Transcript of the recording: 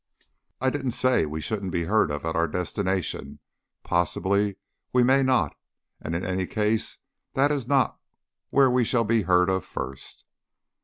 "I didn't say we shouldn't be heard of at our destination. Possibly we may not, and in any case that is not where we shall be heard of first."